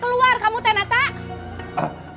m everyatti saffah diroda